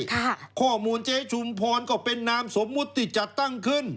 ข้อมูลเจ๊ชุมพรก็เป็นนามสมมุติที่จัดตั้งขึ้น